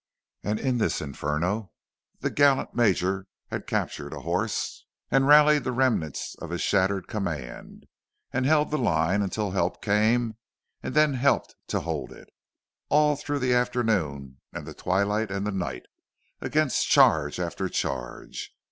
And in this inferno the gallant Major had captured a horse, and rallied the remains of his shattered command, and held the line until help came and then helped to hold it, all through the afternoon and the twilight and the night, against charge after charge.